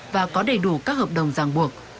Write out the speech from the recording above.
và có đầy đủ các hợp đồng giảng buộc